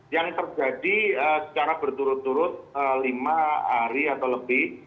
yang terjadi secara berturut turut lima hari atau lebih